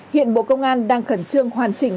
hiện bộ công an đang khẩn trương hoàn chỉnh